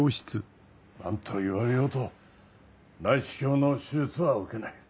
何と言われようと内視鏡の手術は受けない。